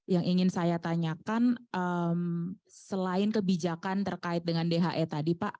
yang ingin saya tanyakan selain kebijakan terkait dengan dhe tadi pak